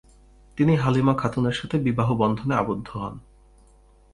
তিনি হালিমা খাতুনের সাথে বিবাহ বন্ধনে আবদ্ধ হন।